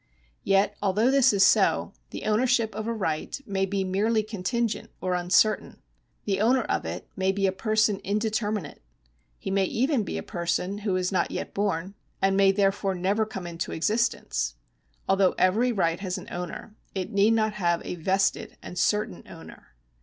Yet although this is so, the ownership of a right may be merely contingent or uncertain. The owner of it may be a person indeterminate. He may even be a person who is not yet born, and may therefore never come into existence. Although every right has an owner, it need not have a vested and certain owner.